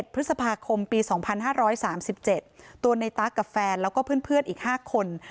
พฤษภาคมปี๒๕๓๗ตัวในตั๊กกับแฟนแล้วก็เพื่อนอีก๕คน